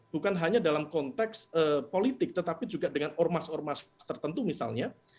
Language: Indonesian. bukan hanya dalam konteks politik tetapi juga dengan ormas ormas tertentu misalnya